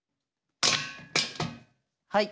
はい。